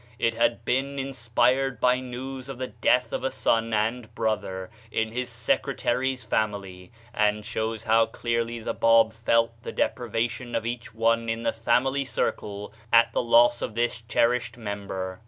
It had been in spired by news of the death of a son and brother, in his secretary's family, and shows how clearly the Bab felt the deprivation of each one in the family circle at the loss of this cherished member.